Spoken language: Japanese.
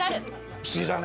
不思議だね。